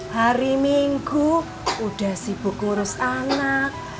hari minggu udah sibuk ngurus anak